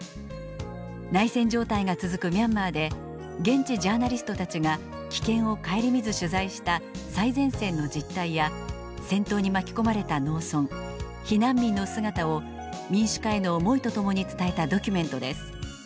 内戦状態が続くミャンマーで現地ジャーナリストたちが危険を顧みず取材した最前線の実態や戦闘に巻き込まれた農村避難民の姿を民主化への思いとともに伝えたドキュメントです。